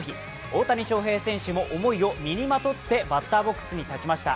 大谷翔平選手も思いを身にまとってバッターボックスに立ちました。